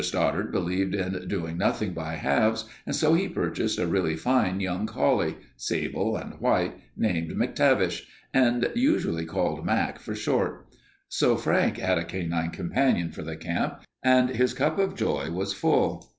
Stoddard believed in doing nothing by halves and so he purchased a really fine young collie, sable and white, named MacTavish, and usually called Mac for short. So Frank had a canine companion for the camp and his cup of joy was full.